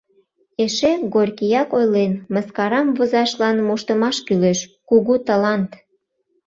Эше Горькияк ойлен: мыскарам возашлан моштымаш кӱлеш, кугу талант!